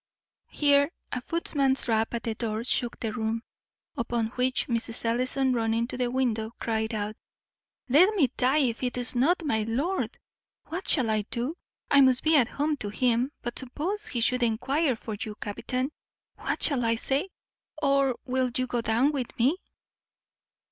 Here a footman's rap at the door shook the room. Upon which Mrs. Ellison, running to the window, cried out, "Let me die if it is not my lord! what shall I do? I must be at home to him; but suppose he should enquire for you, captain, what shall I say? or will you go down with me?"